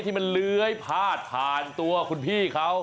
ที่มันเลื้อยพาดผ่านตัวคุณพี่เขา